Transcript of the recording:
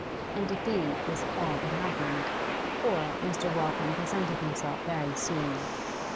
And indeed this all but happened, for Mr. Waltham presented himself very soon.